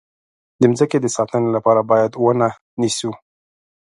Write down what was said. د مځکې د ساتنې لپاره باید ونه نیسو.